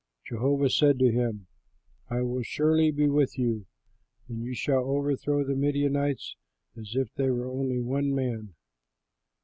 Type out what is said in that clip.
Jehovah said to him, "I will surely be with you, and you shall overthrow the Midianites as if they were only one man."